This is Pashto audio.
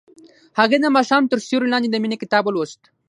هغې د ماښام تر سیوري لاندې د مینې کتاب ولوست.